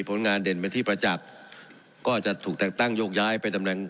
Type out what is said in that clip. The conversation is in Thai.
ผลงานเด่นเป็นที่ประจักษ์ก็จะถูกแต่งตั้งโยกย้ายไปตำแหน่ง